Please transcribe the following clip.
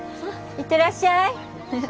行ってらっしゃい。